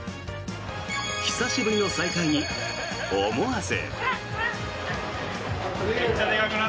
久しぶりの再会に思わず。